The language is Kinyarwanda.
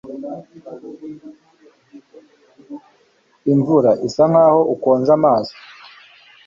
Imvura isa nkaho ukonje amaso